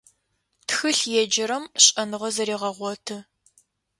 Тхылъ еджэрэм шӀэныгъэ зэрегъэгъоты.